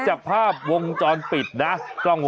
ใช้เมียได้ตลอด